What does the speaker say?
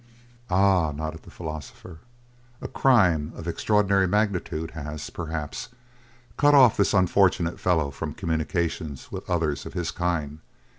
"Ah," nodded the philosopher, "a crime of extraordinary magnitude has, perhaps, cut off this unfortunate fellow from communication with others of his kind.